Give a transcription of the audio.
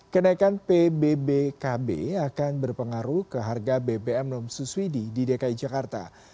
kenaikan pbbkb akan berpengaruh ke harga bbm non subsidi di dki jakarta